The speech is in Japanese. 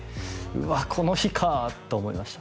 「うわこの日か」と思いました